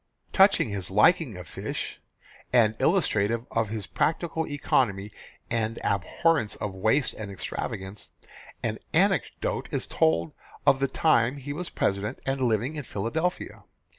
Touching his liking for fish, and illustrative of his practical economy and abhorrence of waste and extravagance, an anecdote is told of the time he was President and living in Philadelphia.